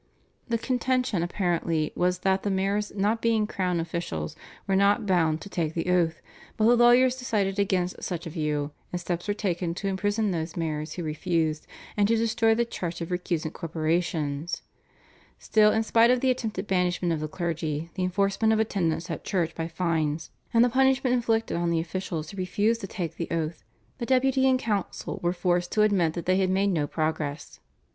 The contention apparently was that the mayors not being crown officials were not bound to take the oath, but the lawyers decided against such a view, and steps were taken to imprison those mayors who refused, and to destroy the charts of recusant corporations. Still in spite of the attempted banishment of the clergy, the enforcement of attendance at church by fines, and the punishment inflicted on the officials who refused to take the oath, the Deputy and council were forced to admit that they had made no progress.